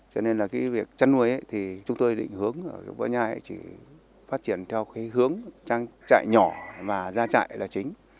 cho nên việc chăn nuôi thì chúng tôi định hướng ở huyện võ nhai chỉ phát triển theo hướng trang trại nhỏ và gia trại là chính